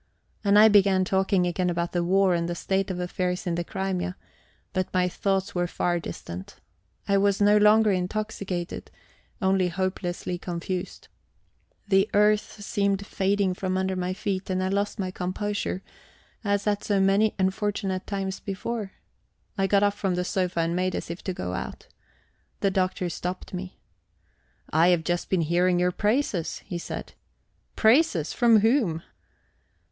And I began talking again about the war and the state of affairs in the Crimea; but my thoughts were far distant. I was no longer intoxicated, only hopelessly confused. The earth seemed fading from under my feet, and I lost my composure, as at so many unfortunate times before. I got up from the sofa and made as if to go out. The Doctor stopped me. "I have just been hearing your praises," he said. "Praises! From whom?"